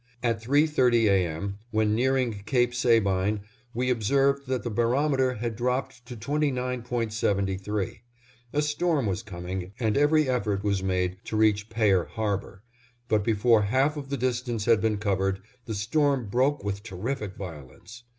At three thirty A. M., when nearing Cape Sabine, we observed that the barometer had dropped to 29.73. A storm was coming, and every effort was made to reach Payer Harbor, but before half of the distance had been covered, the storm broke with terrific violence.